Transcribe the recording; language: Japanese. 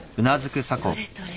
どれどれ。